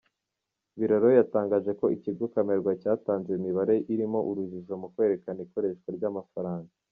Biraro, yatangaje ko ikigo Camerwa cyatanze imibare irimo urujijo mu kwerekana ikoreshwa ry’amafaranga.